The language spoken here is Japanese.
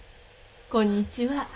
こんにちは。